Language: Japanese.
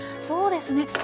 そうですね